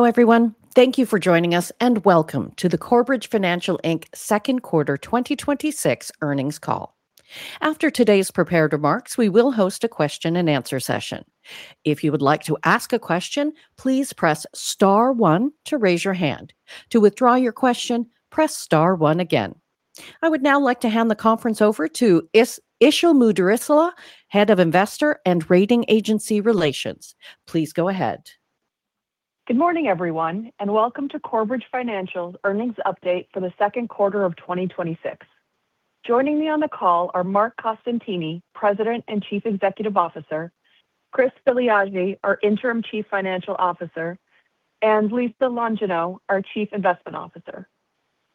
Hello, everyone. Thank you for joining us, and welcome to the Corebridge Financial Inc. second quarter 2026 earnings call. After today's prepared remarks, we will host a question and answer session. If you would like to ask a question, please press star one to raise your hand. To withdraw your question, press star one again. I would now like to hand the conference over to Isil Muderrisoglu, Head of Investor and Rating Agency Relations. Please go ahead. Good morning, everyone, and welcome to Corebridge Financial's earnings update for the second quarter of 2026. Joining me on the call are Marc Costantini, President and Chief Executive Officer, Chris Filiaggi, our Interim Chief Financial Officer, and Lisa Longino, our Chief Investment Officer.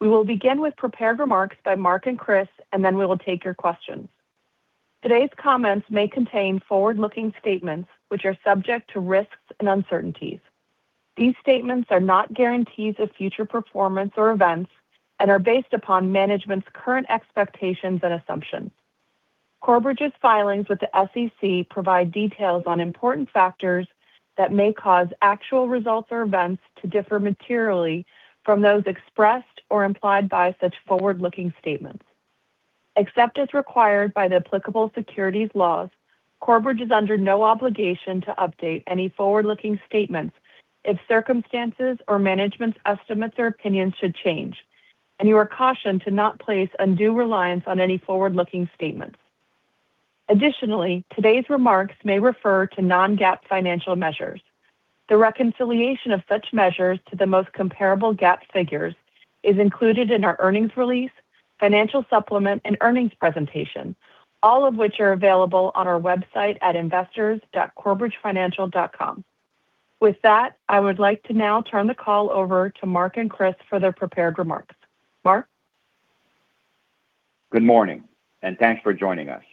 We will begin with prepared remarks by Mark and Chris. Then we will take your questions. Today's comments may contain forward-looking statements which are subject to risks and uncertainties. These statements are not guarantees of future performance or events and are based upon management's current expectations and assumptions. Corebridge's filings with the SEC provide details on important factors that may cause actual results or events to differ materially from those expressed or implied by such forward-looking statements. Except as required by the applicable securities laws, Corebridge is under no obligation to update any forward-looking statements if circumstances or management's estimates or opinions should change. You are cautioned to not place undue reliance on any forward-looking statements. Additionally, today's remarks may refer to non-GAAP financial measures. The reconciliation of such measures to the most comparable GAAP figures is included in our earnings release, financial supplement, and earnings presentation, all of which are available on our website at investors.corebridgefinancial.com. With that, I would like to now turn the call over to Mark and Chris for their prepared remarks. Mark? Good morning, and thanks for joining us.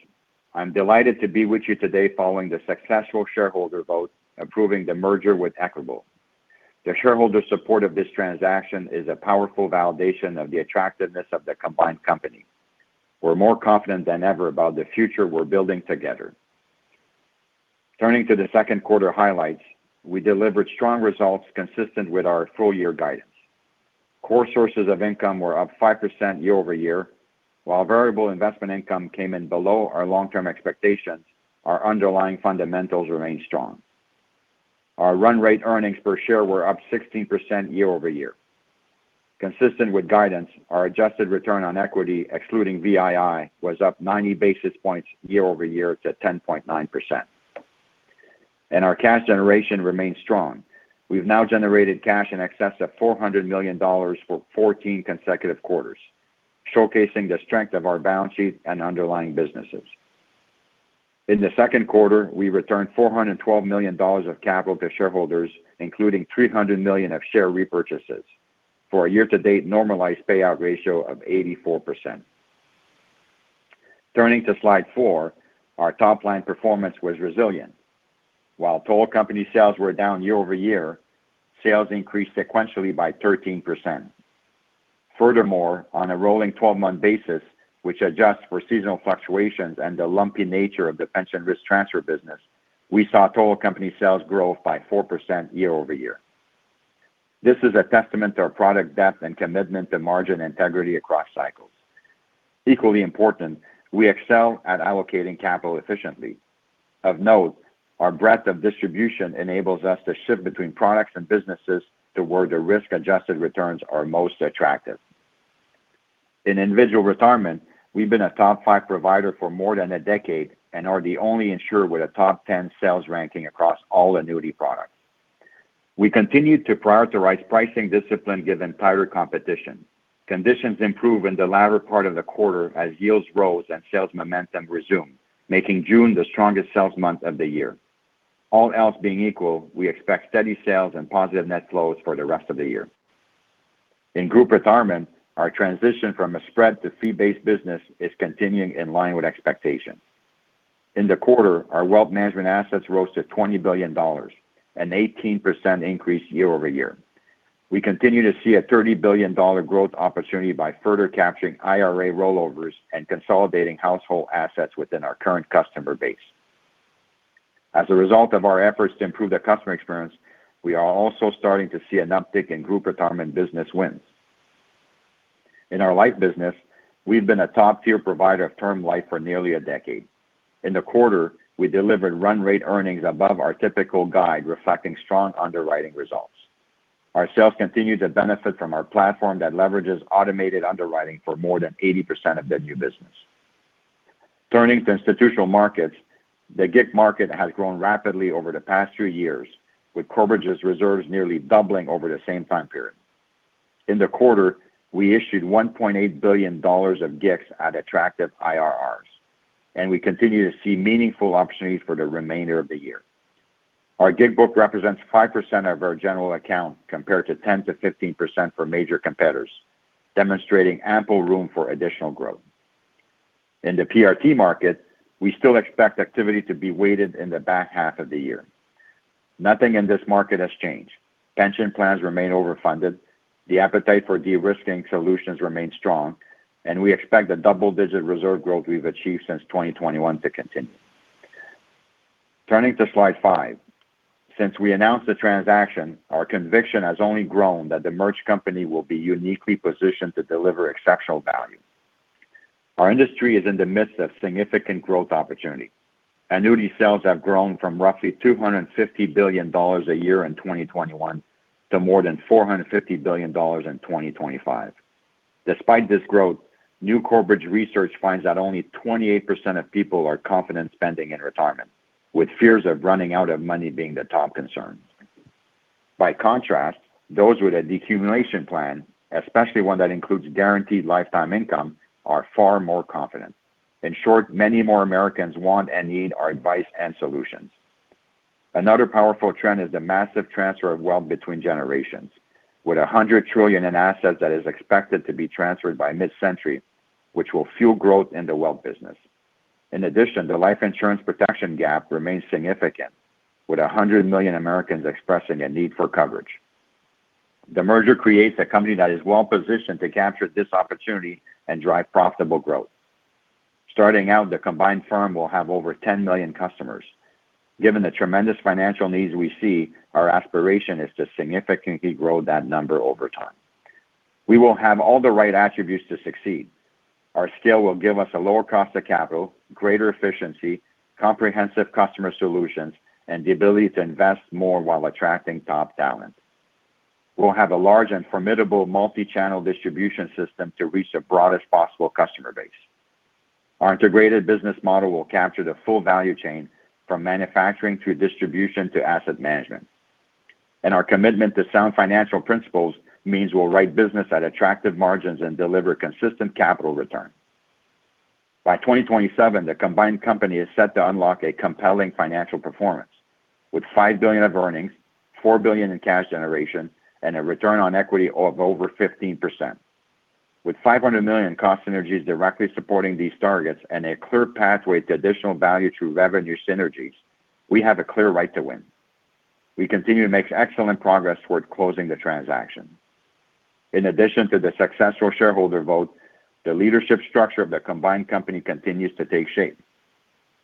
I'm delighted to be with you today following the successful shareholder vote approving the merger with Equitable. The shareholder support of this transaction is a powerful validation of the attractiveness of the combined company. We're more confident than ever about the future we're building together. Turning to the second quarter highlights, we delivered strong results consistent with our full-year guidance. Core sources of income were up 5% year-over-year. While variable investment income came in below our long-term expectations, our underlying fundamentals remain strong. Our run rate earnings per share were up 16% year-over-year. Consistent with guidance, our adjusted return on equity, excluding VII, was up 90 basis points year-over-year to 10.9%. Our cash generation remains strong. We've now generated cash in excess of $400 million for 14 consecutive quarters, showcasing the strength of our balance sheet and underlying businesses. In the second quarter, we returned $412 million of capital to shareholders, including $300 million of share repurchases, for a year-to-date normalized payout ratio of 84%. Turning to slide four, our top-line performance was resilient. While total company sales were down year-over-year, sales increased sequentially by 13%. Furthermore, on a rolling 12-month basis, which adjusts for seasonal fluctuations and the lumpy nature of the pension risk transfer business, we saw total company sales growth by 4% year-over-year. This is a testament to our product depth and commitment to margin integrity across cycles. Equally important, we excel at allocating capital efficiently. Of note, our breadth of distribution enables us to shift between products and businesses to where the risk-adjusted returns are most attractive. In Individual Retirement, we've been a top 5 provider for more than a decade and are the only insurer with a top 10 sales ranking across all annuity products. We continued to prioritize pricing discipline given tighter competition. Conditions improved in the latter part of the quarter as yields rose and sales momentum resumed, making June the strongest sales month of the year. All else being equal, we expect steady sales and positive net flows for the rest of the year. In Group Retirement, our transition from a spread to fee-based business is continuing in line with expectations. In the quarter, our wealth management assets rose to $20 billion, an 18% increase year-over-year. We continue to see a $30 billion growth opportunity by further capturing IRA rollovers and consolidating household assets within our current customer base. As a result of our efforts to improve the customer experience, we are also starting to see an uptick in Group Retirement business wins. In our Life business, we've been a top-tier provider of term life for nearly a decade. In the quarter, we delivered run rate earnings above our typical guide, reflecting strong underwriting results. Our sales continue to benefit from our platform that leverages automated underwriting for more than 80% of the new business. Turning to Institutional Markets, the GIC market has grown rapidly over the past three years, with Corebridge's reserves nearly doubling over the same time period. In the quarter, we issued $1.8 billion of GICs at attractive IRRs, and we continue to see meaningful opportunities for the remainder of the year. Our GIC book represents 5% of our general account, compared to 10%-15% for major competitors, demonstrating ample room for additional growth. In the PRT market, we still expect activity to be weighted in the back half of the year. Nothing in this market has changed. Pension plans remain overfunded. The appetite for de-risking solutions remains strong, and we expect the double-digit reserve growth we've achieved since 2021 to continue. Turning to slide five, since we announced the transaction, our conviction has only grown that the merged company will be uniquely positioned to deliver exceptional value. Our industry is in the midst of significant growth opportunity. Annuity sales have grown from roughly $250 billion a year in 2021 to more than $450 billion in 2025. Despite this growth, new Corebridge research finds that only 28% of people are confident spending in retirement, with fears of running out of money being the top concern. By contrast, those with a decumulation plan, especially one that includes guaranteed lifetime income, are far more confident. In short, many more Americans want and need our advice and solutions. Another powerful trend is the massive transfer of wealth between generations. With $100 trillion in assets that is expected to be transferred by mid-century, which will fuel growth in the wealth business. In addition, the life insurance protection gap remains significant, with 100 million Americans expressing a need for coverage. The merger creates a company that is well-positioned to capture this opportunity and drive profitable growth. Starting out, the combined firm will have over 10 million customers. Given the tremendous financial needs we see, our aspiration is to significantly grow that number over time. We will have all the right attributes to succeed. Our scale will give us a lower cost of capital, greater efficiency, comprehensive customer solutions, and the ability to invest more while attracting top talent. We'll have a large and formidable multi-channel distribution system to reach the broadest possible customer base. Our integrated business model will capture the full value chain, from manufacturing through distribution to asset management. Our commitment to sound financial principles means we'll write business at attractive margins and deliver consistent capital return. By 2027, the combined company is set to unlock a compelling financial performance, with $5 billion of earnings, $4 billion in cash generation, and a return on equity of over 15%. With $500 million cost synergies directly supporting these targets and a clear pathway to additional value through revenue synergies, we have a clear right to win. We continue to make excellent progress toward closing the transaction. In addition to the successful shareholder vote, the leadership structure of the combined company continues to take shape.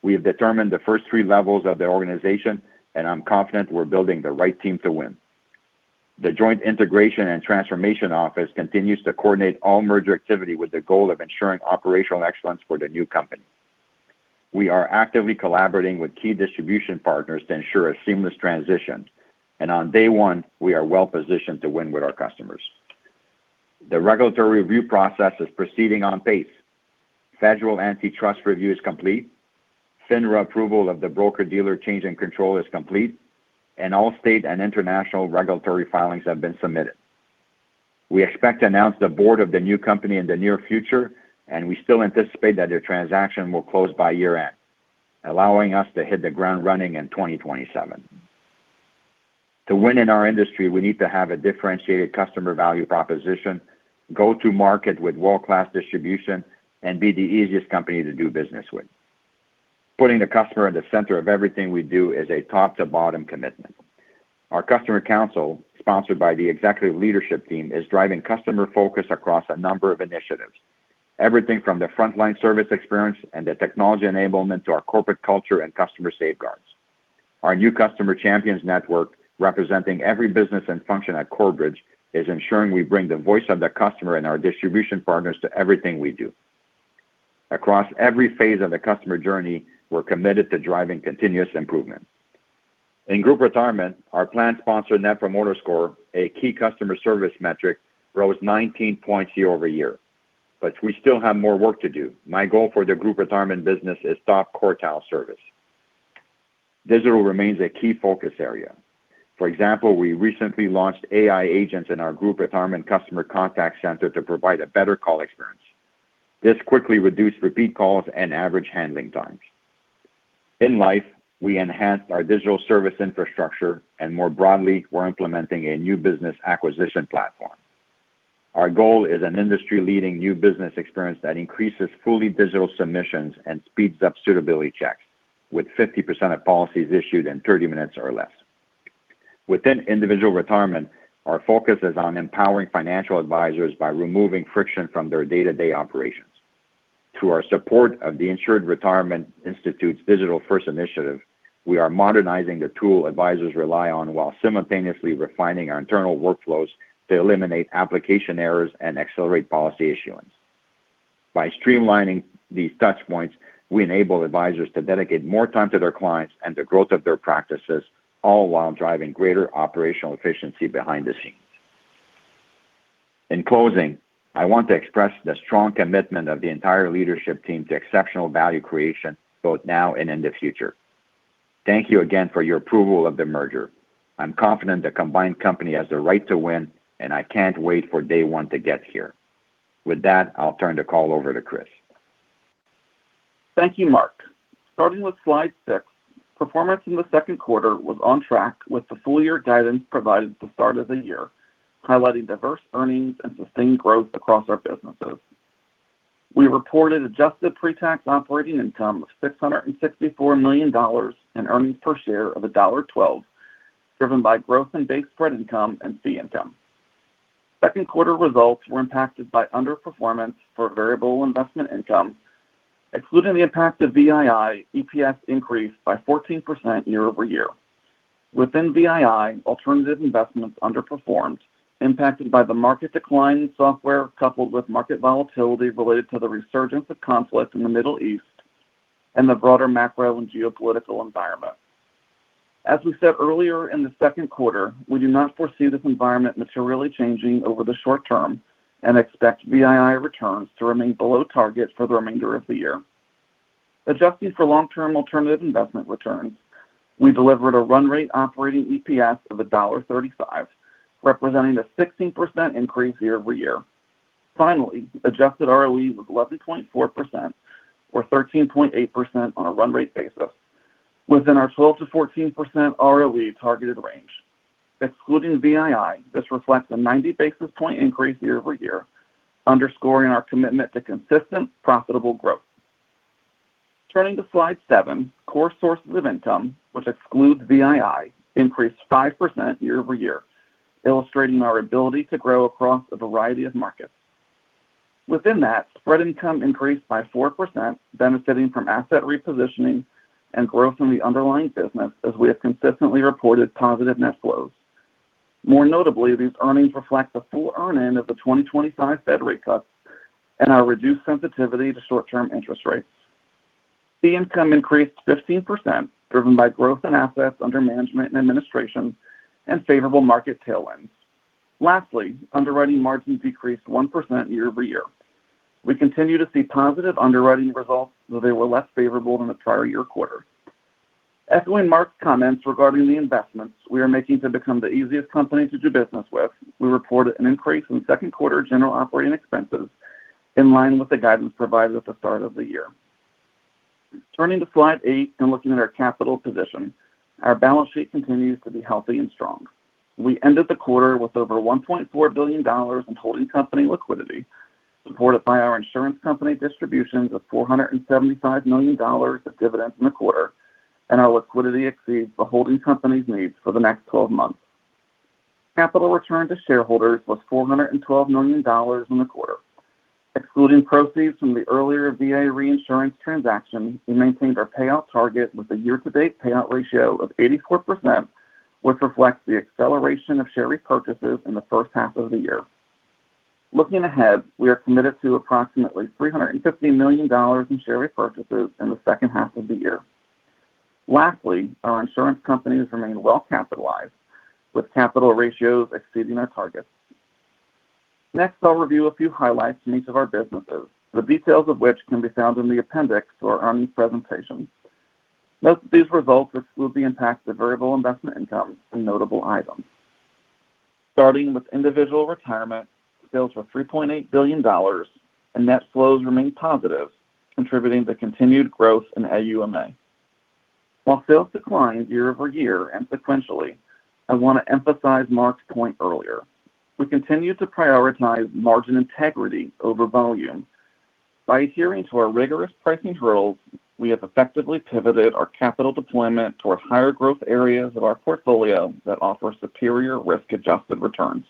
We have determined the first 3 levels of the organization, and I'm confident we're building the right team to win. The Joint Integration and Transformation Office continues to coordinate all merger activity with the goal of ensuring operational excellence for the new company. On day one, we are well positioned to win with our customers. The regulatory review process is proceeding on pace. Federal antitrust review is complete. FINRA approval of the broker-dealer change in control is complete. All state and international regulatory filings have been submitted. We expect to announce the board of the new company in the near future, and we still anticipate that the transaction will close by year-end, allowing us to hit the ground running in 2027. To win in our industry, we need to have a differentiated customer value proposition, go to market with world-class distribution, and be the easiest company to do business with. Putting the customer at the center of everything we do is a top-to-bottom commitment. Our customer council, sponsored by the executive leadership team, is driving customer focus across a number of initiatives. Everything from the frontline service experience and the technology enablement to our corporate culture and customer safeguards. Our new customer champions network, representing every business and function at Corebridge, is ensuring we bring the voice of the customer and our distribution partners to everything we do. Across every phase of the customer journey, we're committed to driving continuous improvement. In Group Retirement, our plan sponsor net promoter score, a key customer service metric, rose 19 points year-over-year. We still have more work to do. My goal for the Group Retirement business is top quartile service. Digital remains a key focus area. For example, we recently launched AI agents in our Group Retirement customer contact center to provide a better call experience. This quickly reduced repeat calls and average handling times. In Life, we enhanced our digital service infrastructure, and more broadly, we're implementing a new business acquisition platform. Our goal is an industry-leading new business experience that increases fully digital submissions and speeds up suitability checks, with 50% of policies issued in 30 minutes or less. Within Individual Retirement, our focus is on empowering financial advisors by removing friction from their day-to-day operations. Through our support of the Insured Retirement Institute's Digital First initiative, we are modernizing the tool advisors rely on while simultaneously refining our internal workflows to eliminate application errors and accelerate policy issuance. By streamlining these touchpoints, we enable advisors to dedicate more time to their clients and the growth of their practices, all while driving greater operational efficiency behind the scenes. In closing, I want to express the strong commitment of the entire leadership team to exceptional value creation, both now and in the future. Thank you again for your approval of the merger. I'm confident the combined company has the right to win, and I can't wait for day one to get here. With that, I'll turn the call over to Chris. Thank you, Mark. Starting with slide six, performance in the second quarter was on track with the full year guidance provided at the start of the year, highlighting diverse earnings and sustained growth across our businesses. We reported Adjusted Pre-Tax Operating Income of $664 million and earnings per share of $1.12, driven by growth in base spread income and fee income. Second quarter results were impacted by underperformance for variable investment income. Excluding the impact of VII, EPS increased by 14% year-over-year. Within VII, alternative investments underperformed, impacted by the market decline in software, coupled with market volatility related to the resurgence of conflict in the Middle East and the broader macro and geopolitical environment. As we said earlier in the second quarter, we do not foresee this environment materially changing over the short term and expect VII returns to remain below target for the remainder of the year. Adjusting for long-term alternative investment returns, we delivered a run rate operating EPS of $1.35, representing a 16% increase year-over-year. Finally, adjusted ROE was 11.4%, or 13.8% on a run-rate basis, within our 12%-14% ROE targeted range. Excluding VII, this reflects a 90 basis point increase year-over-year, underscoring our commitment to consistent, profitable growth. Turning to slide seven, core sources of income, which excludes VII, increased 5% year-over-year, illustrating our ability to grow across a variety of markets. Within that, spread income increased by 4%, benefiting from asset repositioning and growth in the underlying business, as we have consistently reported positive net flows. More notably, these earnings reflect the full earn-in of the 2025 Fed rate cuts and our reduced sensitivity to short-term interest rates. Fee income increased 15%, driven by growth in assets under management and administration and favorable market tailwinds. Lastly, underwriting margins decreased 1% year-over-year. We continue to see positive underwriting results, though they were less favorable than the prior year quarter. Echoing Marc's comments regarding the investments we are making to become the easiest company to do business with, we reported an increase in second quarter general operating expenses in line with the guidance provided at the start of the year. Turning to slide eight and looking at our capital position, our balance sheet continues to be healthy and strong. We ended the quarter with over $1.4 billion in holding company liquidity, supported by our insurance company distributions of $475 million of dividends in the quarter. Our liquidity exceeds the holding company's needs for the next 12 months. Capital return to shareholders was $412 million in the quarter. Excluding proceeds from the earlier VA reinsurance transaction, we maintained our payout target with a year-to-date payout ratio of 84%, which reflects the acceleration of share repurchases in the first half of the year. Looking ahead, we are committed to approximately $350 million in share repurchases in the second half of the year. Lastly, our insurance companies remain well-capitalized, with capital ratios exceeding our targets. Next, I'll review a few highlights from each of our businesses, the details of which can be found in the appendix to our earnings presentation. Note that these results exclude the impact of variable investment income and notable items. Starting with Individual Retirement, sales were $3.8 billion and net flows remained positive, contributing to continued growth in AUMA. While sales declined year-over-year and sequentially, I want to emphasize Marc's point earlier. We continue to prioritize margin integrity over volume. By adhering to our rigorous pricing rules, we have effectively pivoted our capital deployment towards higher growth areas of our portfolio that offer superior risk-adjusted returns.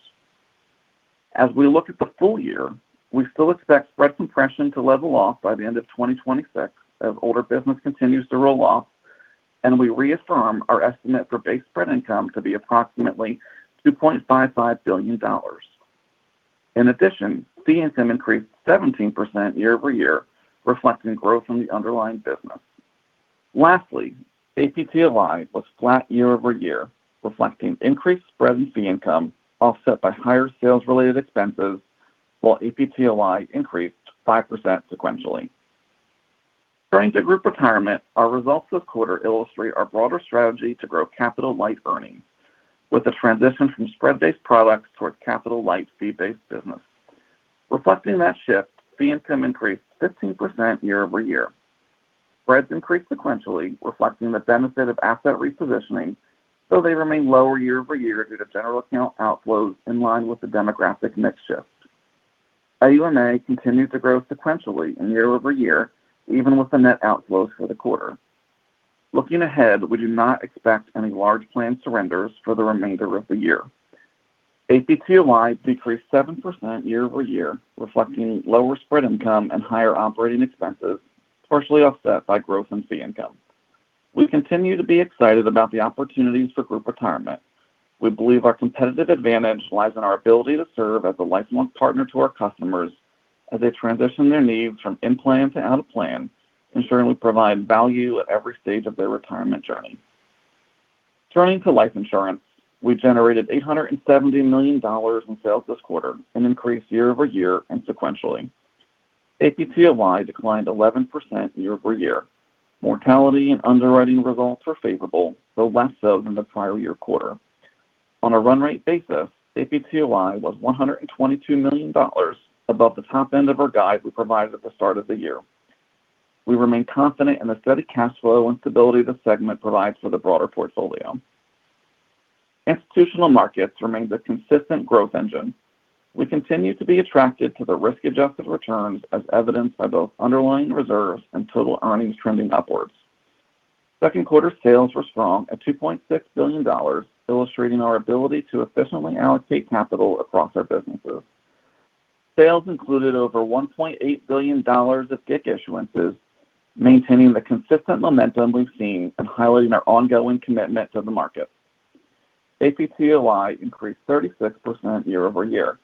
As we look at the full year, we still expect spread compression to level off by the end of 2026 as older business continues to roll off. We reaffirm our estimate for base spread income to be approximately $2.55 billion. In addition, fee income increased 17% year-over-year, reflecting growth in the underlying business. Lastly, APTOI was flat year-over-year, reflecting increased spread and fee income offset by higher sales-related expenses, while APTOI increased 5% sequentially. Turning to Group Retirement, our results this quarter illustrate our broader strategy to grow capital-light earnings with a transition from spread-based products towards capital-light, fee-based business. Reflecting that shift, fee income increased 15% year-over-year. Spreads increased sequentially, reflecting the benefit of asset repositioning, though they remain lower year-over-year due to general account outflows in line with the demographic mix shift. AUMA continued to grow sequentially and year-over-year, even with the net outflows for the quarter. Looking ahead, we do not expect any large planned surrenders for the remainder of the year. APTOI decreased 7% year-over-year, reflecting lower spread income and higher operating expenses, partially offset by growth in fee income. We continue to be excited about the opportunities for Group Retirement. We believe our competitive advantage lies in our ability to serve as a lifelong partner to our customers as they transition their needs from in-plan to out-of-plan, ensuring we provide value at every stage of their retirement journey. Turning to Life Insurance, we generated $870 million in sales this quarter, an increase year-over-year and sequentially. APTOI declined 11% year-over-year. Mortality and underwriting results were favorable, though less so than the prior year quarter. On a run rate basis, APTOI was $122 million above the top end of our guide we provided at the start of the year. We remain confident in the steady cash flow and stability the segment provides for the broader portfolio. Institutional Markets remains a consistent growth engine. We continue to be attracted to the risk-adjusted returns as evidenced by both underlying reserves and total earnings trending upwards. Second quarter sales were strong at $2.6 billion, illustrating our ability to efficiently allocate capital across our businesses. Sales included over $1.8 billion of GIC issuances, maintaining the consistent momentum we've seen and highlighting our ongoing commitment to the market. APTOI increased 36% year-over-year.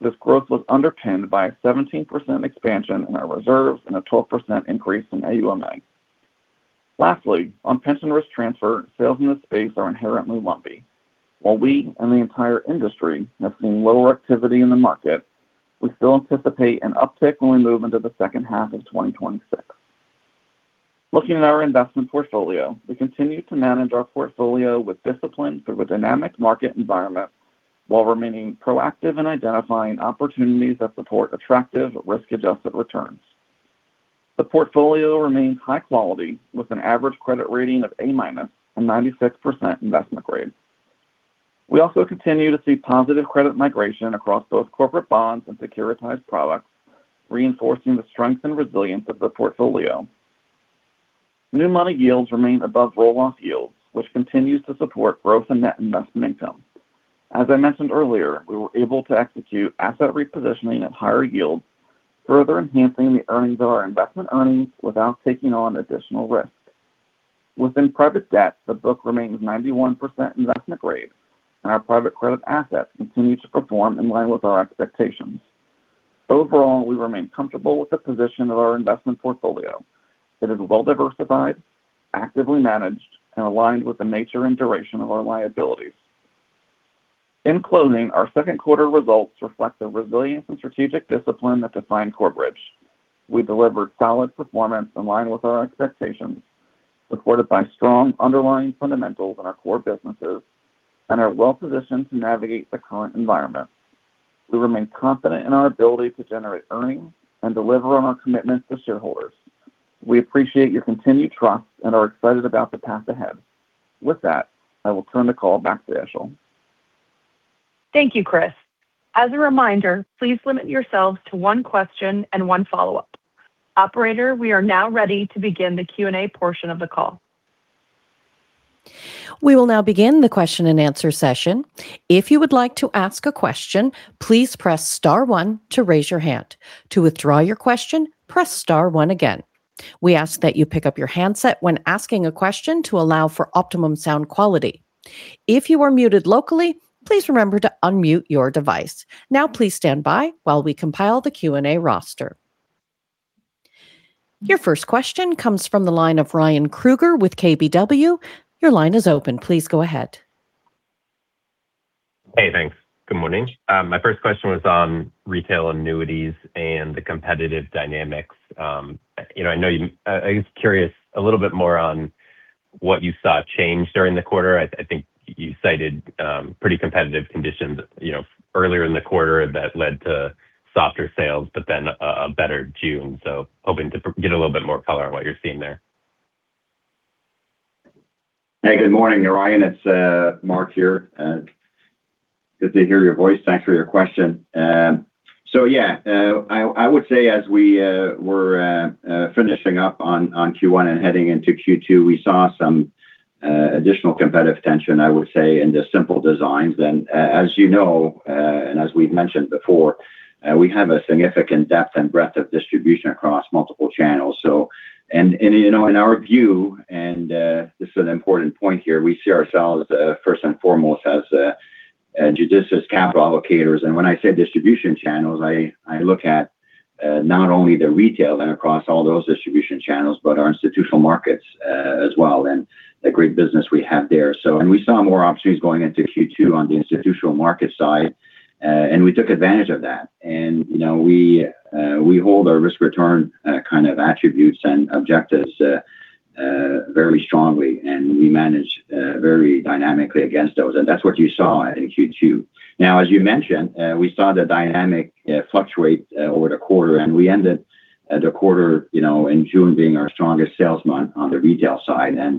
This growth was underpinned by a 17% expansion in our reserves and a 12% increase in AUMA. On pension risk transfer, sales in this space are inherently lumpy. While we and the entire industry have seen lower activity in the market, we still anticipate an uptick when we move into the second half of 2026. Looking at our investment portfolio, we continue to manage our portfolio with discipline through a dynamic market environment while remaining proactive in identifying opportunities that support attractive risk-adjusted returns. The portfolio remains high quality with an average credit rating of A- and 96% investment grade. We also continue to see positive credit migration across both corporate bonds and securitized products, reinforcing the strength and resilience of the portfolio. New money yields remain above roll-off yields, which continues to support growth in net investment income. As I mentioned earlier, we were able to execute asset repositioning at higher yields, further enhancing the earnings of our investment earnings without taking on additional risk. Within private debt, the book remains 91% investment grade, and our private credit assets continue to perform in line with our expectations. Overall, we remain comfortable with the position of our investment portfolio. It is well-diversified, actively managed, and aligned with the nature and duration of our liabilities. In closing, our second quarter results reflect the resilience and strategic discipline that define Corebridge Financial. We delivered solid performance in line with our expectations, supported by strong underlying fundamentals in our core businesses and are well-positioned to navigate the current environment. We remain confident in our ability to generate earnings and deliver on our commitment to shareholders. We appreciate your continued trust and are excited about the path ahead. With that, I will turn the call back to Ashley. Thank you, Chris. As a reminder, please limit yourself to one question and one follow-up. Operator, we are now ready to begin the Q&A portion of the call. We will now begin the question and answer session. If you would like to ask a question, please press star one to raise your hand. To withdraw your question, press star one again. We ask that you pick up your handset when asking a question to allow for optimum sound quality. If you are muted locally, please remember to unmute your device. Now please stand by while we compile the Q&A roster. Your first question comes from the line of Ryan Krueger with KBW. Your line is open. Please go ahead. Hey, thanks. Good morning. My first question was on retail annuities and the competitive dynamics. I was curious a little bit more on what you saw change during the quarter. I think you cited pretty competitive conditions earlier in the quarter that led to softer sales, but then a better June. Hoping to get a little bit more color on what you're seeing there. Hey, good morning, Ryan. It's Marc here. Good to hear your voice. Thanks for your question. Yeah. I would say as we were finishing up on Q1 and heading into Q2, we saw some additional competitive tension, I would say, in the simple designs. As you know, and as we've mentioned before, we have a significant depth and breadth of distribution across multiple channels. In our view, and this is an important point here, we see ourselves first and foremost as judicious capital allocators. When I say distribution channels, I look at not only the retail and across all those distribution channels, but our Institutional Markets as well and the great business we have there. We saw more opportunities going into Q2 on the Institutional Markets side, and we took advantage of that. We hold our risk-return kind of attributes and objectives very strongly, and we manage very dynamically against those. That's what you saw in Q2. As you mentioned, we saw the dynamic fluctuate over the quarter, and we ended the quarter, in June being our strongest sales month on the retail side, and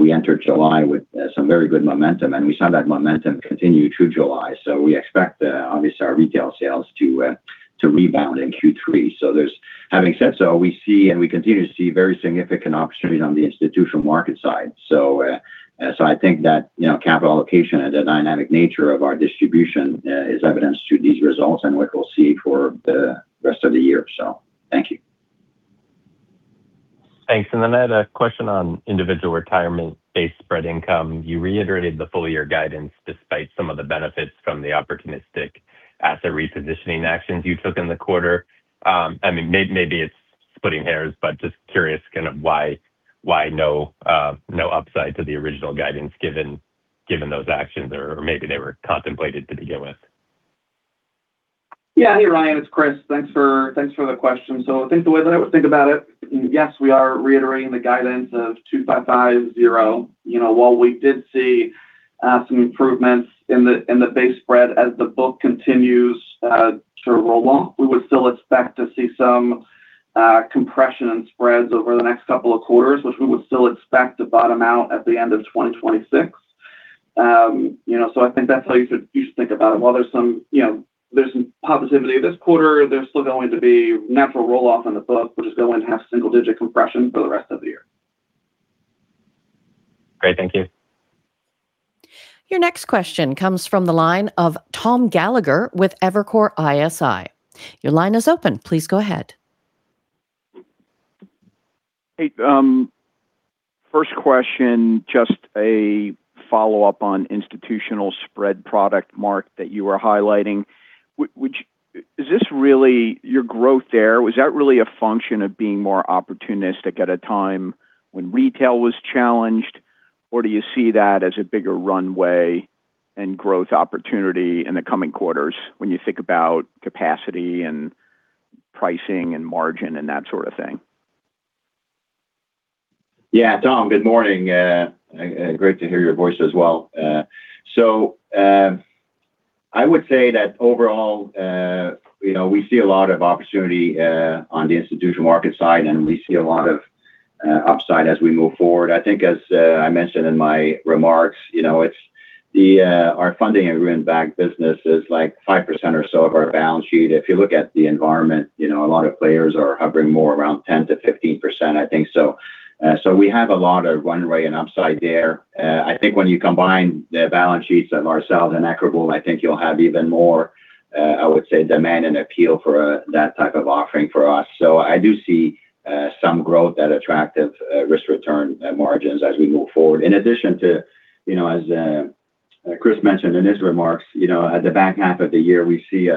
we entered July with some very good momentum, and we saw that momentum continue through July. We expect, obviously, our retail sales to rebound in Q3. Having said so, we see and we continue to see very significant opportunities on the Institutional Markets side. I think that capital allocation and the dynamic nature of our distribution is evidenced through these results and what we'll see for the rest of the year. Thank you. Thanks. I had a question on Individual Retirement base spread income. You reiterated the full year guidance despite some of the benefits from the opportunistic asset repositioning actions you took in the quarter. Maybe it's splitting hairs, but just curious kind of why no upside to the original guidance given those actions? Or maybe they were contemplated to begin with. Yeah. Hey, Ryan, it's Chris. Thanks for the question. I think the way that I would think about it, yes, we are reiterating the guidance of 255.0. While we did see some improvements in the base spread as the book continues to roll off, we would still expect to see some compression in spreads over the next couple of quarters, which we would still expect to bottom out at the end of 2026. I think that's how you should think about it. While there's some positivity this quarter, there's still going to be natural roll-off on the book. We're just going to have single-digit compression for the rest of the year. Great. Thank you. Your next question comes from the line of Tom Gallagher with Evercore ISI. Your line is open. Please go ahead. Hey. First question, just a follow-up on institutional spread product, Marc, that you were highlighting. Is this really your growth there? Was that really a function of being more opportunistic at a time when retail was challenged, or do you see that as a bigger runway and growth opportunity in the coming quarters when you think about capacity and pricing and margin and that sort of thing? Yeah. Tom, good morning. Great to hear your voice as well. I would say that overall, we see a lot of opportunity on the Institutional Markets side, and we see a lot of upside as we move forward. I think as I mentioned in my remarks, our funding-agreement-backed business is 5% or so of our balance sheet. If you look at the environment, a lot of players are hovering more around 10%-15%, I think. We have a lot of runway and upside there. I think when you combine the balance sheets of ourselves and Equitable, I think you'll have even more, I would say, demand and appeal for that type of offering for us. I do see some growth at attractive risk-return margins as we move forward. In addition to, as Chris mentioned in his remarks, at the back half of the year, we see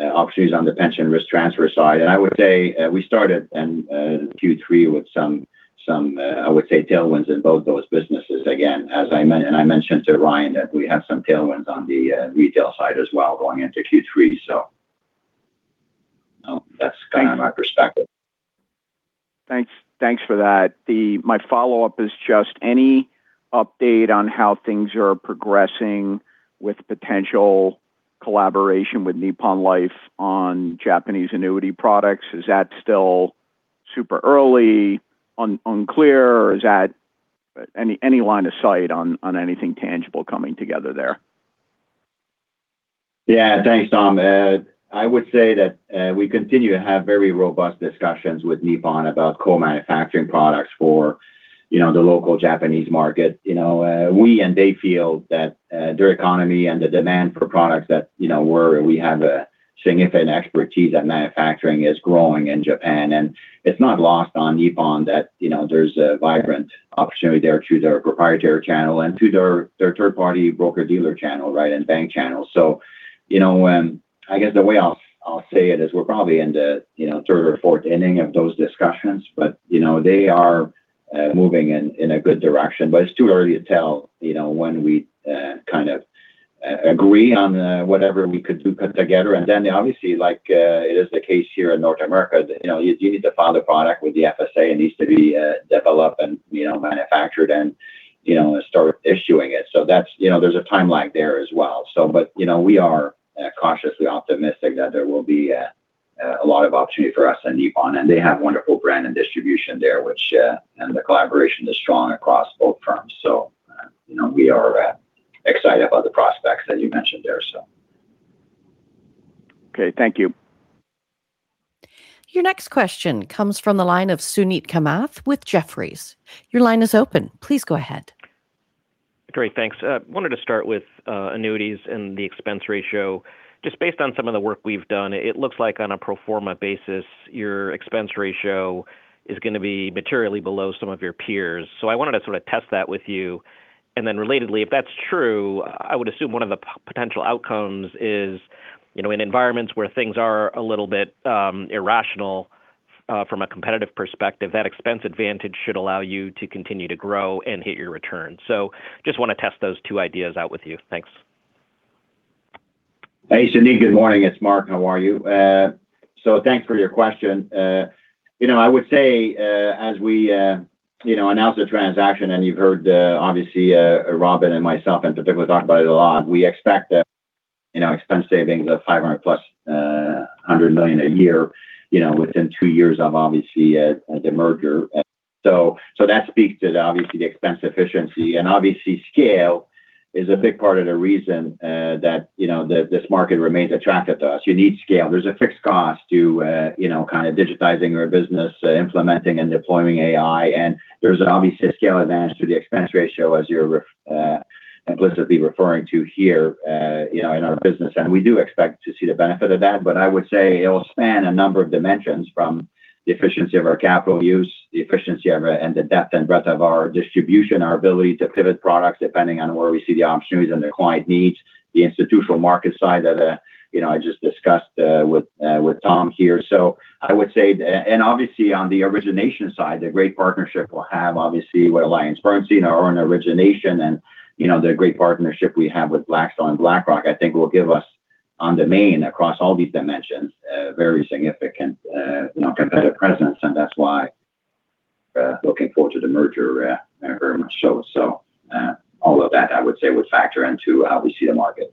opportunities on the pension risk transfer side. I would say we started in Q3 with some, I would say, tailwinds in both those businesses again. I mentioned to Ryan that we have some tailwinds on the retail side as well going into Q3. That's kind of my perspective. Thanks for that. My follow-up is just any update on how things are progressing with potential collaboration with Nippon Life on Japanese annuity products. Is that still super early, unclear, or any line of sight on anything tangible coming together there? Yeah. Thanks, Tom. I would say that we continue to have very robust discussions with Nippon about co-manufacturing products for the local Japanese market. We and they feel that their economy and the demand for products that we have a significant expertise at manufacturing is growing in Japan, and it's not lost on Nippon that there's a vibrant opportunity there to their proprietary channel and to their third-party broker-dealer channel and bank channel. I guess the way I'll say it is we're probably in the third or fourth inning of those discussions, but they are moving in a good direction. It's too early to tell when we kind of agree on whatever we could do together. Obviously, like it is the case here in North America, you need to file the product with the FSA, it needs to be developed and manufactured and start issuing it. There's a timeline there as well. We are cautiously optimistic that there will be a lot of opportunity for us and Nippon, and they have wonderful brand and distribution there, and the collaboration is strong across both firms. We are excited about the prospects that you mentioned there. Okay. Thank you. Your next question comes from the line of Suneet Kamath with Jefferies. Your line is open. Please go ahead. Great. Thanks. Wanted to start with annuities and the expense ratio. Just based on some of the work we've done, it looks like on a pro forma basis, your expense ratio is going to be materially below some of your peers. I wanted to sort of test that with you. Relatedly, if that's true, I would assume one of the potential outcomes is in environments where things are a little bit irrational from a competitive perspective, that expense advantage should allow you to continue to grow and hit your returns. Just want to test those two ideas out with you. Thanks. Hey, Suneet. Good morning. It's Mark. How are you? Thanks for your question. I would say as we announce the transaction, and you've heard obviously Robin and myself in particular talk about it a lot, we expect expense savings of $500 million plus, $100 million a year within 2 years of obviously the merger. That speaks to obviously the expense efficiency. Obviously scale is a big part of the reason that this market remains attractive to us. You need scale. There's a fixed cost to kind of digitizing our business, implementing and deploying AI, and there's an obvious scale advantage to the expense ratio as you're implicitly referring to here in our business. We do expect to see the benefit of that, but I would say it'll span a number of dimensions from the efficiency of our capital use, the efficiency and the depth and breadth of our distribution, our ability to pivot products depending on where we see the opportunities and the client needs, the Institutional Markets side that I just discussed with Tom here. Obviously on the origination side, the great partnership we'll have obviously with AllianceBernstein on origination and the great partnership we have with Blackstone, BlackRock, I think will give us on domain across all these dimensions very significant competitive presence. That's why looking forward to the merger very much so. All of that I would say would factor into how we see the market.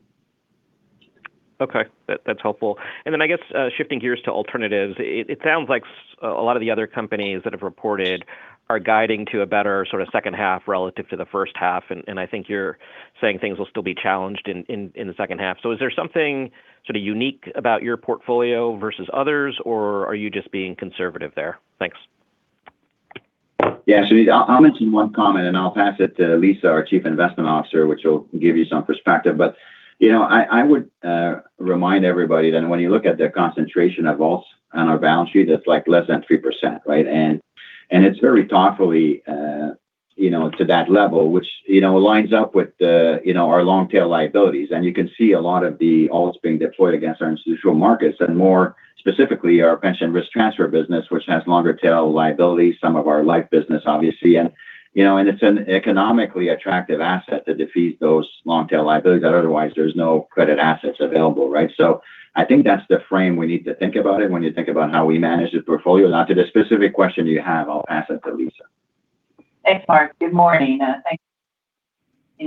Okay. That's helpful. I guess shifting gears to alternatives, it sounds like a lot of the other companies that have reported are guiding to a better sort of second half relative to the first half, and I think you're saying things will still be challenged in the second half. Is there something sort of unique about your portfolio versus others, or are you just being conservative there? Thanks. Yeah. I'll mention one comment, and I'll pass it to Lisa, our Chief Investment Officer, which will give you some perspective. I would remind everybody that when you look at the concentration of ALTs on our balance sheet, it's less than 3%. Right? It's very thoughtfully to that level, which aligns up with our long-tail liabilities. You can see a lot of the ALTs being deployed against our Institutional Markets, and more specifically, our pension risk transfer business, which has longer tail liabilities, some of our Life Insurance business, obviously. It's an economically attractive asset to defeat those long-tail liabilities that otherwise there's no credit assets available. Right? I think that's the frame we need to think about it when you think about how we manage the portfolio. Now to the specific question you have, I'll pass it to Lisa. Thanks, Mark. Good morning. Thanks.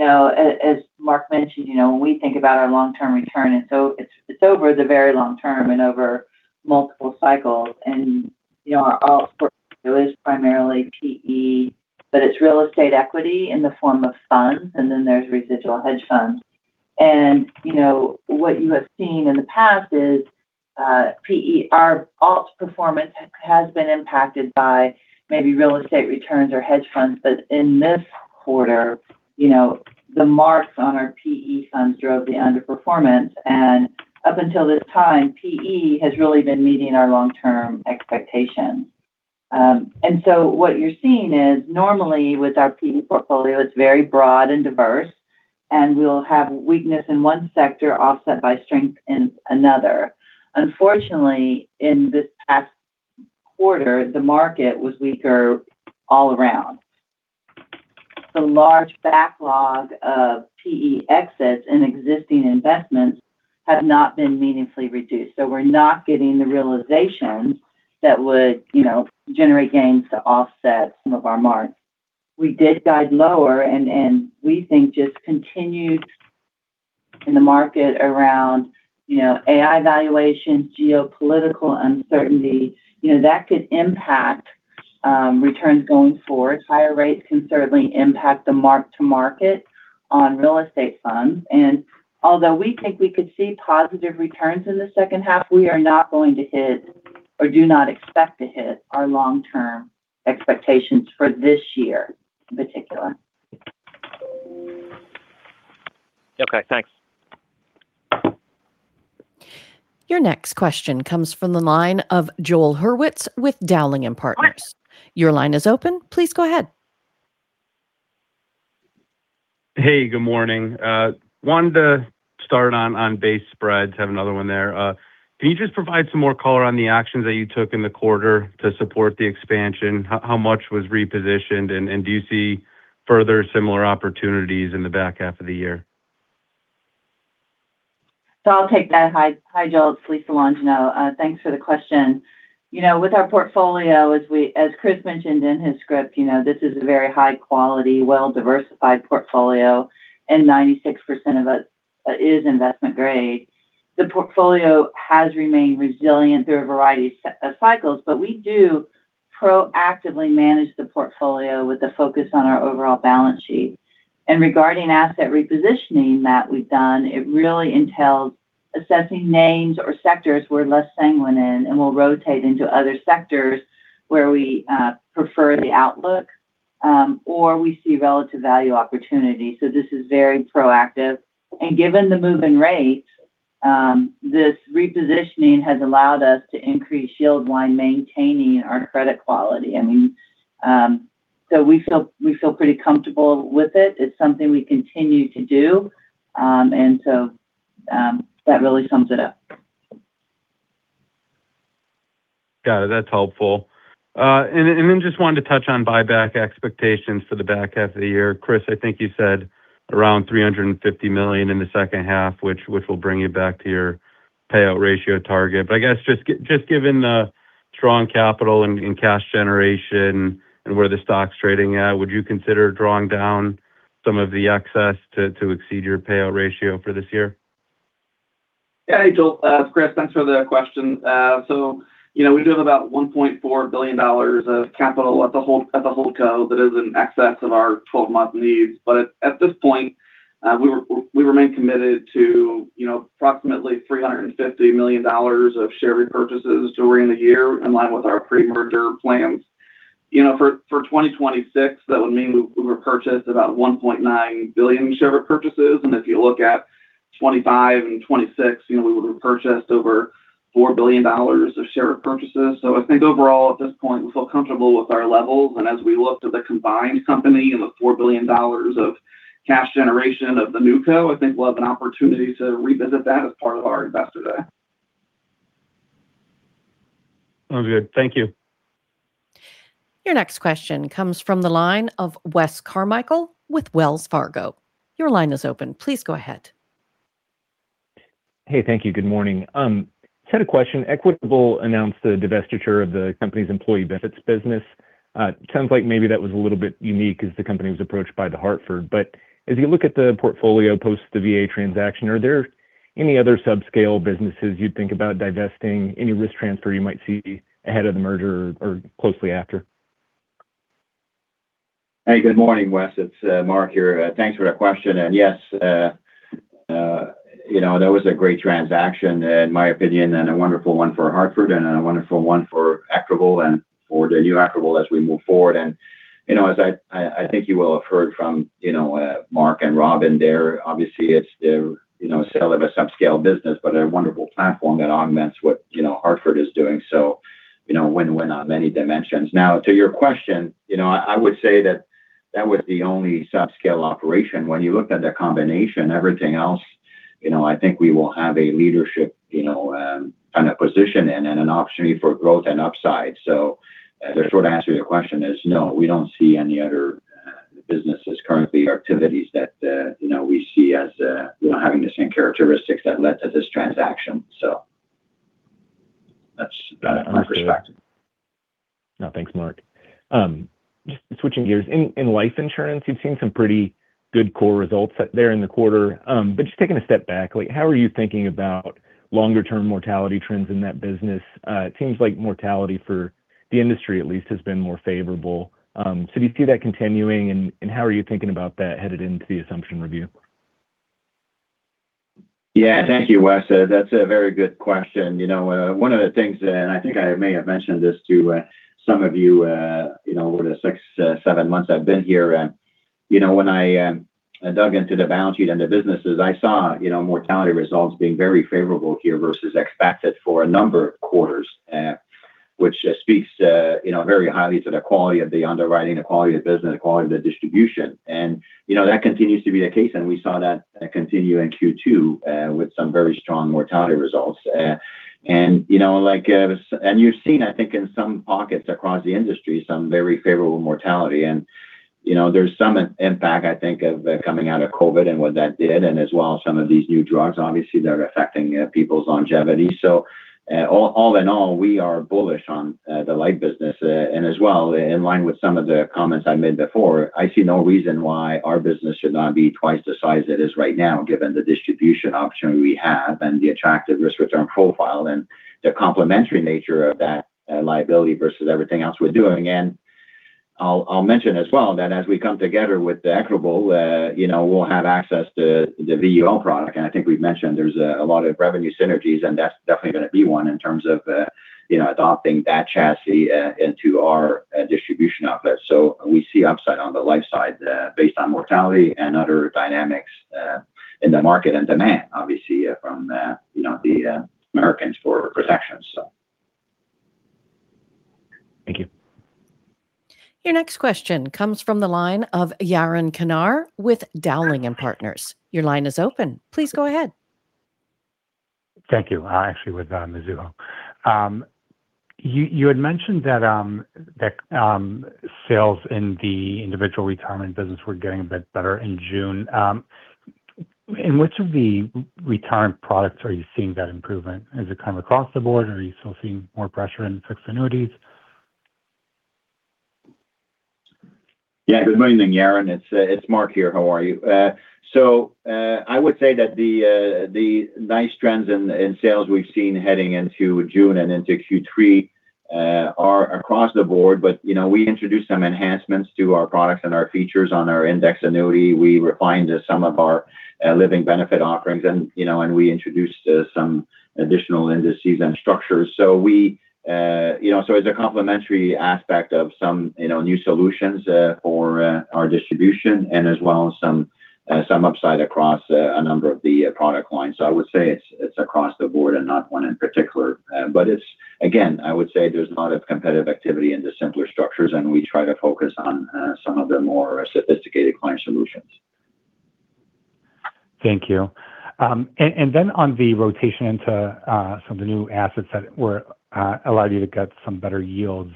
As Mark mentioned, when we think about our long-term return, it's over the very long term and over multiple cycles, our ALT portfolio is primarily PE, but it's real estate equity in the form of funds, and then there's residual hedge funds. What you have seen in the past is our ALT performance has been impacted by maybe real estate returns or hedge funds, but in this quarter, the marks on our PE funds drove the underperformance. Up until this time, PE has really been meeting our long-term expectations. What you're seeing is normally with our PE portfolio, it's very broad and diverse, and we'll have weakness in one sector offset by strength in another. Unfortunately, in this past quarter, the market was weaker all around. The large backlog of PE exits and existing investments have not been meaningfully reduced. We're not getting the realizations that would generate gains to offset some of our marks. We did guide lower we think just continued in the market around AI valuations, geopolitical uncertainty. That could impact returns going forward. Higher rates can certainly impact the mark to market on real estate funds. Although we think we could see positive returns in the second half, we are not going to hit or do not expect to hit our long-term expectations for this year in particular. Okay, thanks. Your next question comes from the line of Joel Hurwitz with Dowling & Partners. Your line is open. Please go ahead. Hey, good morning. Wanted to start on base spreads, have another one there. Can you just provide some more color on the actions that you took in the quarter to support the expansion? How much was repositioned, and do you see further similar opportunities in the back half of the year? I'll take that. Hi, Joel. It's Lisa Longino. Thanks for the question. With our portfolio, as Chris mentioned in his script, this is a very high quality, well-diversified portfolio, and 96% of it is investment grade. The portfolio has remained resilient through a variety of cycles, we do proactively manage the portfolio with a focus on our overall balance sheet. Regarding asset repositioning that we've done, it really entails assessing names or sectors we're less sanguine in, and we'll rotate into other sectors where we prefer the outlook or we see relative value opportunity. This is very proactive. Given the move in rates, this repositioning has allowed us to increase yield while maintaining our credit quality. We feel pretty comfortable with it. It's something we continue to do. That really sums it up. Got it. That's helpful. Just wanted to touch on buyback expectations for the back half of the year. Chris, I think you said around $350 million in the second half, which will bring you back to your payout ratio target. I guess just given the strong capital and cash generation and where the stock's trading at, would you consider drawing down some of the excess to exceed your payout ratio for this year? Yeah. Hey, Joel. It's Chris. Thanks for the question. We do have about $1.4 billion of capital at the hold co that is in excess of our 12-month needs. At this point, we remain committed to approximately $350 million of share repurchases during the year in line with our pre-merger plans. For 2026, that would mean we would have purchased about $1.9 billion share repurchases. If you look at 2025 and 2026, we would have purchased over $4 billion of share repurchases. I think overall at this point, we feel comfortable with our levels. As we look to the combined company and the $4 billion of cash generation of the new co, I think we'll have an opportunity to revisit that as part of our investor day. All good. Thank you. Your next question comes from the line of Wes Carmichael with Wells Fargo. Your line is open. Please go ahead. Hey, thank you. Good morning. Had a question. Equitable announced the divestiture of the company's employee benefits business. Sounds like maybe that was a little bit unique as the company was approached by The Hartford. As you look at the portfolio post the VA transaction, are there any other subscale businesses you'd think about divesting, any risk transfer you might see ahead of the merger or closely after? Hey, good morning, Wes. It's Mark here. Thanks for that question. Yes, that was a great transaction in my opinion, and a wonderful one for Hartford and a wonderful one for Equitable and for the new Equitable as we move forward. As I think you will have heard from Mark and Robin there, obviously it's the sale of a subscale business, a wonderful platform that augments what Hartford is doing. Win-win on many dimensions. Now to your question, I would say that that was the only subscale operation. When you look at the combination, everything else, I think we will have a leadership kind of position and an opportunity for growth and upside. The short answer to your question is no, we don't see any other businesses currently or activities that we see as having the same characteristics that led to this transaction. That's my perspective. No, thanks, Marc. Just switching gears. In life insurance, you've seen some pretty good core results there in the quarter. Just taking a step back, how are you thinking about longer term mortality trends in that business? It seems like mortality for the industry at least has been more favorable. Do you see that continuing, and how are you thinking about that headed into the assumption review? Yeah. Thank you, Wes. That's a very good question. One of the things, and I think I may have mentioned this to some of you, over the six, seven months I've been here, when I dug into the balance sheet and the businesses, I saw mortality results being very favorable here versus expected for a number of quarters, which speaks very highly to the quality of the underwriting, the quality of the business, the quality of the distribution. That continues to be the case, and we saw that continue in Q2 with some very strong mortality results. You've seen, I think, in some pockets across the industry, some very favorable mortality. There's some impact, I think, of coming out of COVID and what that did, as well as some of these new drugs, obviously, that are affecting people's longevity. All in all, we are bullish on the life business. As well, in line with some of the comments I made before, I see no reason why our business should not be twice the size it is right now, given the distribution option we have and the attractive risk return profile and the complementary nature of that liability versus everything else we're doing. I'll mention as well that as we come together with Equitable, we'll have access to the VUL product, and I think we've mentioned there's a lot of revenue synergies, and that's definitely going to be one in terms of adopting that chassis into our distribution outlet. We see upside on the life side based on mortality and other dynamics in the market and demand, obviously, from the Americans for protections. Thank you. Your next question comes from the line of Yaron Kinar with Dowling & Partners. Your line is open. Please go ahead. Thank you. Actually with Mizuho. You had mentioned that sales in the Individual Retirement business were getting a bit better in June. In which of the retirement products are you seeing that improvement? Is it kind of across the board, or are you still seeing more pressure in fixed annuities? Yeah. Good morning, Yaron. It's Mark here. How are you? I would say that the nice trends in sales we've seen heading into June and into Q3 are across the board. We introduced some enhancements to our products and our features on our index annuity. We refined some of our living benefit offerings, and we introduced some additional indices and structures. As a complementary aspect of some new solutions for our distribution and as well as some upside across a number of the product lines. I would say it's across the board and not one in particular. Again, I would say there's a lot of competitive activity into simpler structures, and we try to focus on some of the more sophisticated client solutions. Thank you. Then on the rotation into some of the new assets that allowed you to get some better yields,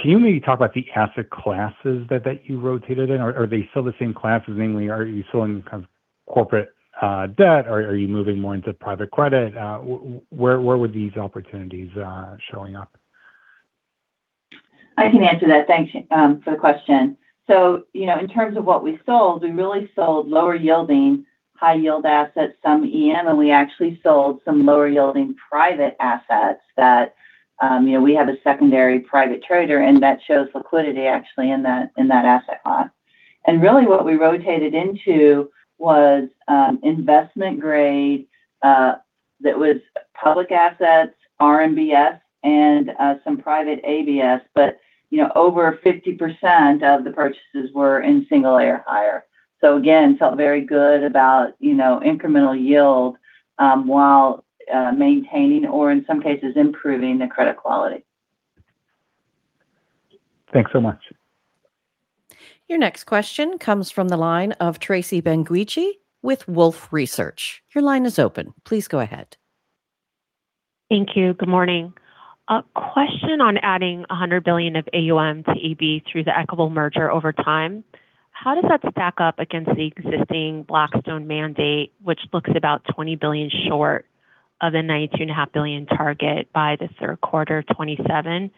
can you maybe talk about the asset classes that you rotated in? Are they still the same classes? Namely, are you still in kind of corporate debt? Are you moving more into private credit? Where were these opportunities showing up? I can answer that. Thanks for the question. In terms of what we sold, we really sold lower yielding high yield assets, some EM, and we actually sold some lower yielding private assets that we have a secondary private trader and that shows liquidity actually in that asset class. Really what we rotated into was investment grade, that was public assets, RMBS, and some private ABS. Over 50% of the purchases were in single A or higher. Again, felt very good about incremental yield while maintaining or in some cases improving the credit quality. Thanks so much. Your next question comes from the line of Tracy Benguigui with Wolfe Research. Your line is open. Please go ahead. Thank you. Good morning. A question on adding $100 billion of AUM to AB through the Equitable merger over time. How does that stack up against the existing Blackstone mandate, which looks about $20 billion short of the $92.5 billion target by the third quarter 2027?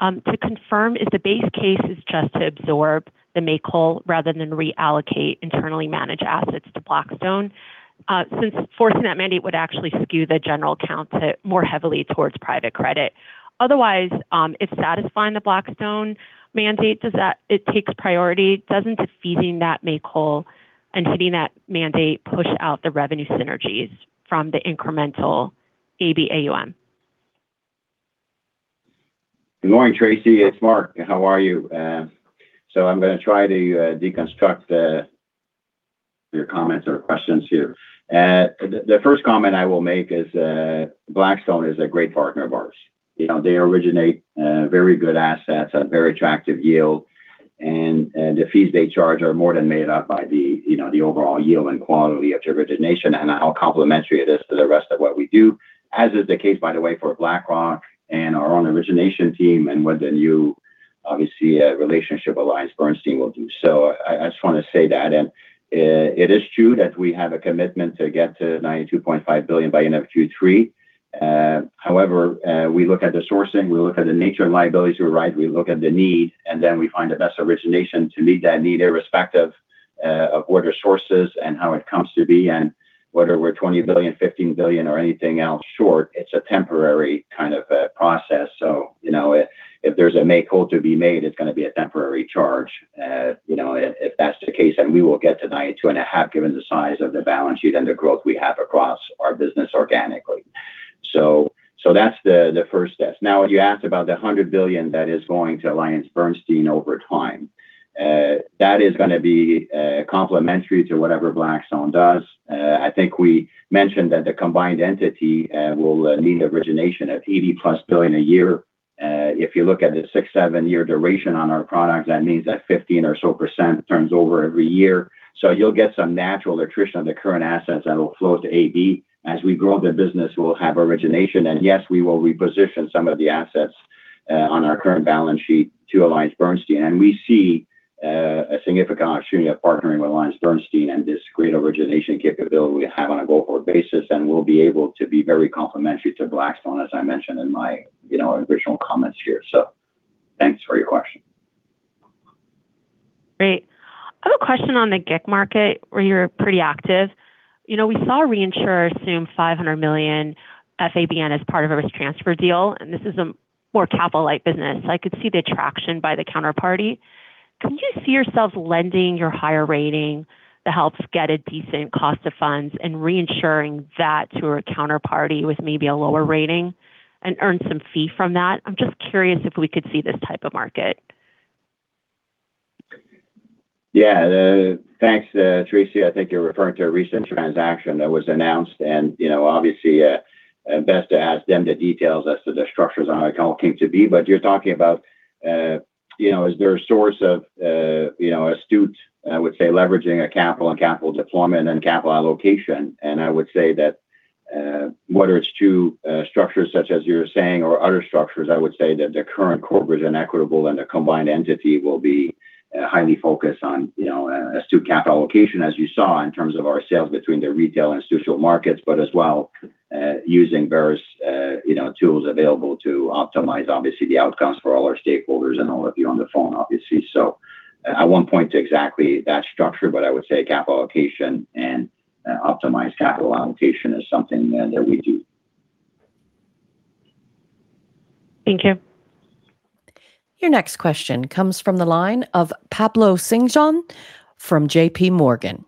To confirm, if the base case is just to absorb the make whole rather than reallocate internally managed assets to Blackstone, since forcing that mandate would actually skew the general account to more heavily towards private credit. Otherwise, if satisfying the Blackstone mandate, it takes priority, doesn't defeating that make whole and hitting that mandate push out the revenue synergies from the incremental AB AUM? Good morning, Tracy. It's Marc. How are you? I'm going to try to deconstruct your comments or questions here. The first comment I will make is Blackstone is a great partner of ours. They originate very good assets at very attractive yield, and the fees they charge are more than made up by the overall yield and quality of the origination and how complementary it is to the rest of what we do, as is the case, by the way, for BlackRock and our own origination team and with the new, obviously, relationship AllianceBernstein will do. I just want to say that. It is true that we have a commitment to get to $92.5 billion by end of Q3. We look at the sourcing, we look at the nature and liabilities who arrive, we look at the need, and then we find the best origination to meet that need, irrespective of where the source is and how it comes to be and whether we're $20 billion, $15 billion, or anything else short, it's a temporary kind of process. If there's a make whole to be made, it's going to be a temporary charge. If that's the case, we will get to $92.5 billion given the size of the balance sheet and the growth we have across our business organically. Now, you asked about the $100 billion that is going to AllianceBernstein over time. That is going to be complementary to whatever Blackstone does. I think we mentioned that the combined entity will need origination of $80-plus billion a year. If you look at the six, seven-year duration on our products, that means that 15% or so turns over every year. You'll get some natural attrition of the current assets that will flow to AllianceBernstein. As we grow the business, we'll have origination, and yes, we will reposition some of the assets on our current balance sheet to AllianceBernstein. We see a significant opportunity of partnering with AllianceBernstein and this great origination capability we have on a go-forward basis, and we'll be able to be very complementary to Blackstone, as I mentioned in my original comments here. Thanks for your question. Great. I have a question on the GIC market, where you're pretty active. We saw a reinsurer assume $500 million FABN as part of a risk transfer deal, and this is a more capital light business. I could see the attraction by the counterparty. Can you see yourself lending your higher rating that helps get a decent cost of funds and reinsuring that to a counterparty with maybe a lower rating and earn some fee from that? I'm just curious if we could see this type of market? Thanks, Tracy. I think you're referring to a recent transaction that was announced, obviously, best to ask them the details as to the structures on how it all came to be. You're talking about, is there a source of astute, I would say, leveraging of capital and capital deployment and capital allocation. I would say that whether it's two structures such as you're saying, or other structures, I would say that the current corporate and Equitable and the combined entity will be highly focused on astute capital allocation, as you saw in terms of our sales between the retail and Institutional Markets, but as well using various tools available to optimize, obviously, the outcomes for all our stakeholders and all of you on the phone, obviously. I won't point to exactly that structure, but I would say capital allocation and optimized capital allocation is something that we do. Thank you. Your next question comes from the line of Pablo Singzon from JPMorgan.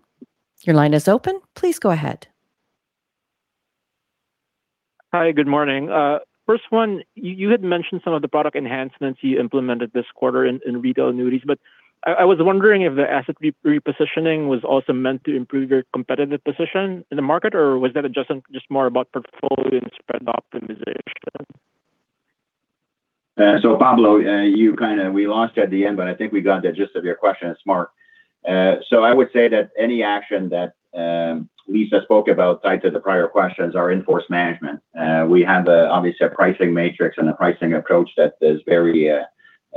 Your line is open. Please go ahead. Hi, good morning. First one, you had mentioned some of the product enhancements you implemented this quarter in retail annuities, I was wondering if the asset repositioning was also meant to improve your competitive position in the market, or was that just more about portfolio and spread optimization? Pablo we lost you at the end, I think we got the gist of your question. It's Mark. I would say that any action that Lisa spoke about tied to the prior questions are in force management. We have, obviously, a pricing matrix and a pricing approach that is very,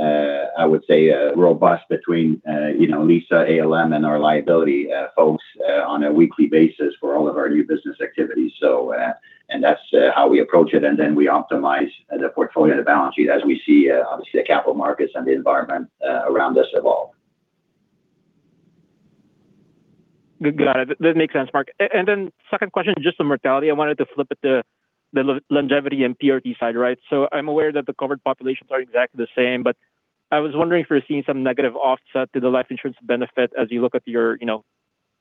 I would say, robust between Lisa, ALM, and our liability folks on a weekly basis for all of our new business activities. That's how we approach it, then we optimize the portfolio, the balance sheet, as we see, obviously, the capital markets and the environment around us evolve. Got it. That makes sense, Mark. Then second question, just on mortality. I wanted to flip it to the longevity and PRT side. I'm aware that the covered populations are exactly the same, I was wondering if you're seeing some negative offset to the Life Insurance benefit as you look at your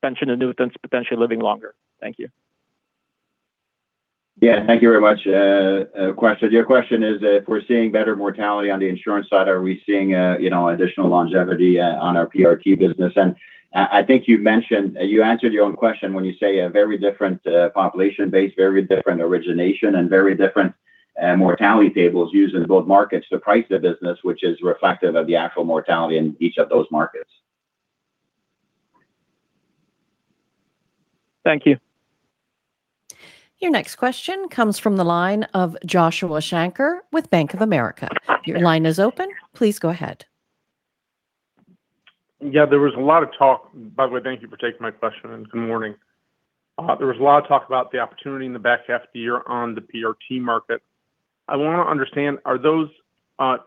pension annuitants potentially living longer. Thank you. Yeah. Thank you very much. Your question is if we're seeing better mortality on the insurance side, are we seeing additional longevity on our PRT business? I think you answered your own question when you say a very different population base, very different origination, and very different mortality tables used in both markets to price the business, which is reflective of the actual mortality in each of those markets. Thank you. Your next question comes from the line of Joshua Shanker with Bank of America. Your line is open. Please go ahead. Yeah. By the way, thank you for taking my question. Good morning. There was a lot of talk about the opportunity in the back half of the year on the PRT market. I want to understand, are those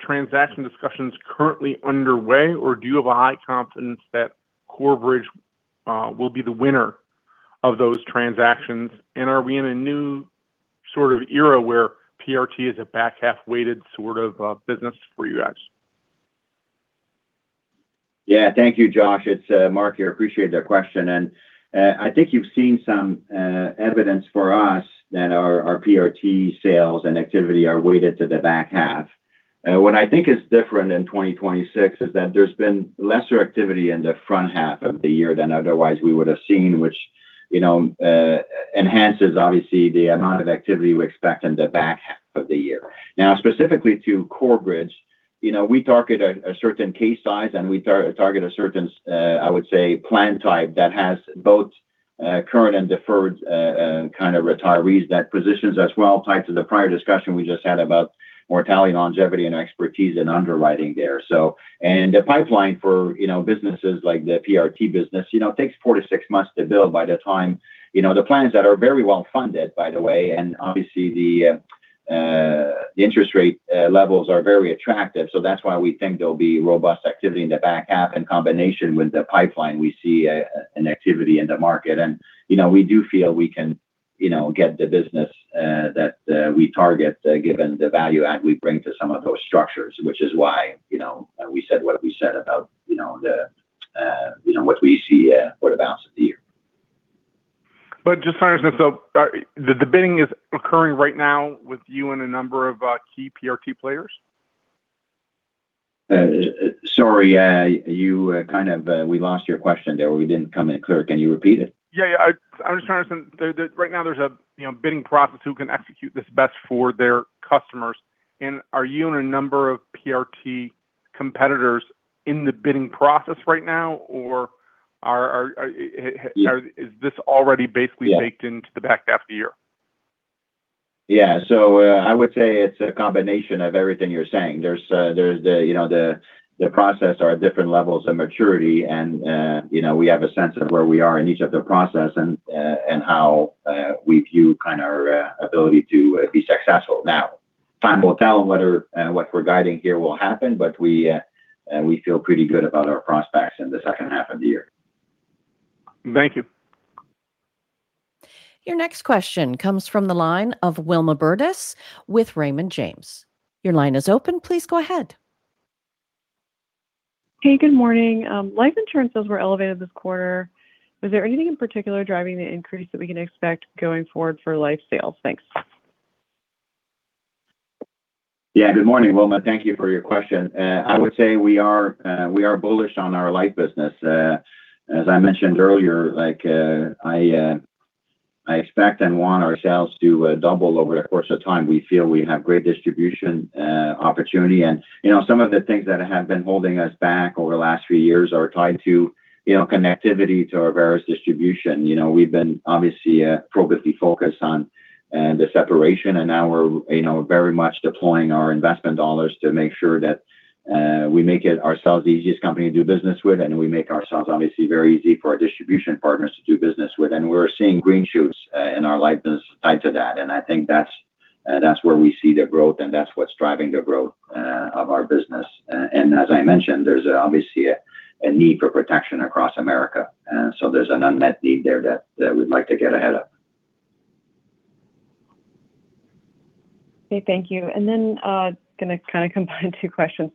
transaction discussions currently underway, or do you have a high confidence that Corebridge will be the winner of those transactions? Are we in a new sort of era where PRT is a back-half weighted sort of business for you guys? Thank you, Josh. It's Mark here. Appreciate that question. I think you've seen some evidence from us that our PRT sales and activity are weighted to the back half. What I think is different in 2026 is that there's been lesser activity in the front half of the year than otherwise we would've seen, which enhances, obviously, the amount of activity we expect in the back half of the year. Now, specifically to Corebridge, we target a certain case size, and we target a certain, I would say, plan type that has both current and deferred kind of retirees that positions us well tied to the prior discussion we just had about mortality, longevity, and expertise in underwriting there. The pipeline for businesses like the PRT business takes four to six months to build by the time the plans that are very well funded, by the way, and obviously the interest rate levels are very attractive. That's why we think there'll be robust activity in the back half. In combination with the pipeline, we see an activity in the market. We do feel we can get the business that we target given the value add we bring to some of those structures, which is why we said what we said about what we see for the balance of the year. Just trying to understand, the bidding is occurring right now with you and a number of key PRT players? Sorry, we lost your question there or we didn't come in clear. Can you repeat it? Yeah. I'm just trying to understand. Right now there's a bidding process who can execute this best for their customers. Are you and a number of PRT competitors in the bidding process right now? Is this already basically- Yeah baked into the back half of the year? Yeah. I would say it's a combination of everything you're saying. There's the process are at different levels of maturity, we have a sense of where we are in each of the process and how we view our ability to be successful. Time will tell whether what we're guiding here will happen, but we feel pretty good about our prospects in the second half of the year. Thank you. Your next question comes from the line of Wilma Burdis with Raymond James. Your line is open. Please go ahead. Hey, good morning. Life Insurance sales were elevated this quarter. Was there anything in particular driving the increase that we can expect going forward for Life sales? Thanks. Yeah. Good morning, Wilma. Thank you for your question. I would say we are bullish on our Life business. As I mentioned earlier, I expect and want our sales to double over the course of time. We feel we have great distribution opportunity and some of the things that have been holding us back over the last few years are tied to connectivity to our various distribution. We've been obviously progressively focused on the separation. Now we're very much deploying our investment dollars to make sure that we make ourselves the easiest company to do business with, and we make ourselves obviously very easy for our distribution partners to do business with. We're seeing green shoots in our Life business tied to that. I think that's where we see the growth, and that's what's driving the growth of our business. As I mentioned, there's obviously a need for protection across America. There's an unmet need there that we'd like to get ahead of. Okay, thank you. Going to kind of combine two questions,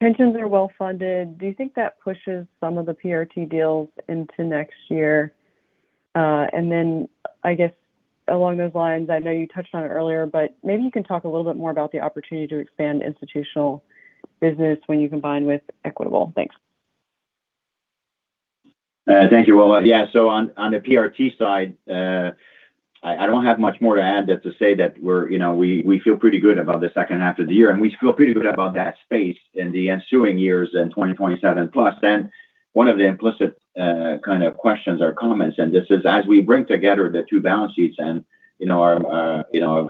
pensions are well funded. Do you think that pushes some of the PRT deals into next year? I guess along those lines, I know you touched on it earlier, but maybe you can talk a little bit more about the opportunity to expand institutional business when you combine with Equitable. Thanks. Thank you, Wilma. On the PRT side, I don't have much more to add to say that we feel pretty good about the second half of the year, and we feel pretty good about that space in the ensuing years in 2027 plus. One of the implicit kind of questions or comments, this is as we bring together the two balance sheets and our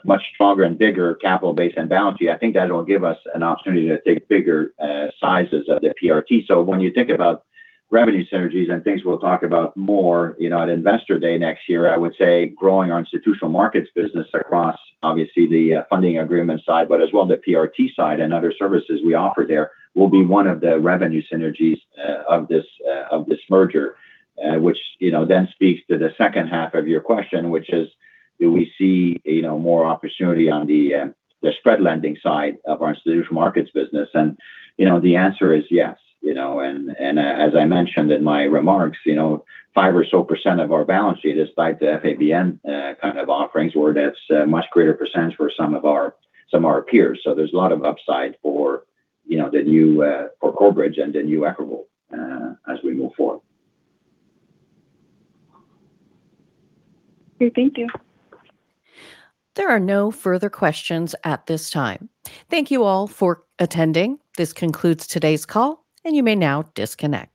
much stronger and bigger capital base and balance sheet, I think that will give us an opportunity to take bigger sizes of the PRT. When you think about revenue synergies and things we'll talk about more at Investor Day next year, I would say growing our Institutional Markets business across, obviously, the funding agreement side, but as well the PRT side and other services we offer there will be one of the revenue synergies of this merger. Speaks to the second half of your question, which is: Do we see more opportunity on the spread lending side of our Institutional Markets business? The answer is yes. As I mentioned in my remarks, 5% or so of our balance sheet is tied to FABN kind of offerings, where that's a much greater % for some of our peers. There's a lot of upside for Corebridge and the new Equitable as we move forward. Okay, thank you. There are no further questions at this time. Thank you all for attending. This concludes today's call, and you may now disconnect.